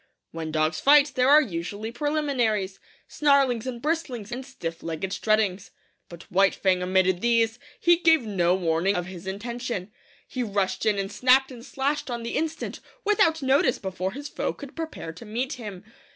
'When dogs fight there are usually preliminaries snarlings and bristlings, and stiff legged struttings. But White Fang omitted these. He gave no warning of his intention. He rushed in and snapped and slashed on the instant, without notice, before his foe could prepare to meet him.